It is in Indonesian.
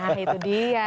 nah itu dia